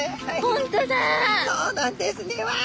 そうなんですねうわ。